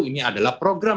ini adalah program